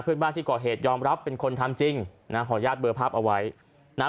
เพื่อนบ้านที่ก่อเหตุยอมรับเป็นคนทำจริงนะขออนุญาตเบอร์ภาพเอาไว้นะฮะ